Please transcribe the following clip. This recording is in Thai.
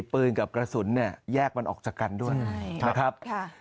ปืนกับกระสุนเนี่ยแยกมันออกจากกันด้วยนะครับ